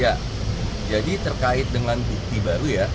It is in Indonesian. ya jadi terkait dengan bukti baru ya